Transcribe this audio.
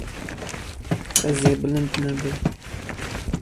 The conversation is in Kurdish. Ez ê bilind nebim.